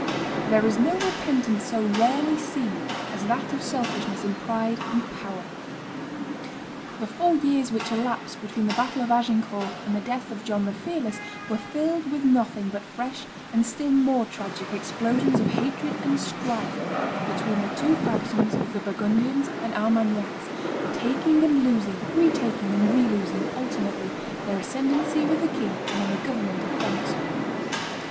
There is no repentance so rarely seen as that of selfishness in pride and power. The four years which elapsed between the battle of Agincourt and the death of John the Fearless were filled with nothing but fresh and still more tragic explosions of hatred and strife between the two factions of the Burgundians and Armagnacs, taking and losing, re taking and re losing, alternately, their ascendency with the king and in the government of France.